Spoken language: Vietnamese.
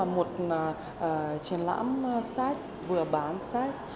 một truyền lãm sách vừa bán sách